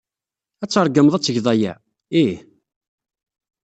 Ad tṛeggmed ad tged aya? Ih.